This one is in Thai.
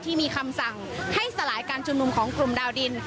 ที่มีคำสั่งให้สลายการชุมนุมของกลุ่มดาวดิน